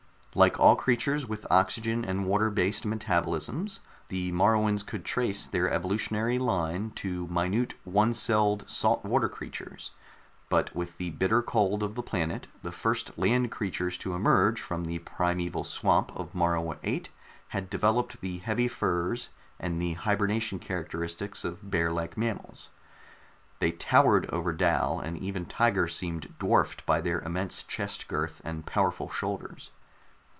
Like all creatures with oxygen and water based metabolisms, the Moruans could trace their evolutionary line to minute one celled salt water creatures; but with the bitter cold of the planet, the first land creatures to emerge from the primeval swamp of Morua VIII had developed the heavy furs and the hibernation characteristics of bear like mammals. They towered over Dal, and even Tiger seemed dwarfed by their immense chest girth and powerful shoulders.